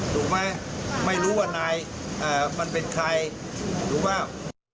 ถูกไหมไม่รู้ว่านายมันเป็นใครรู้บ้าง